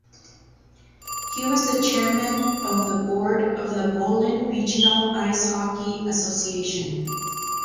He was the chairman of the board of the Volyn Regional Ice Hockey Association.